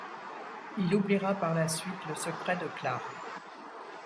Il oubliera par la suite le secret de Clark.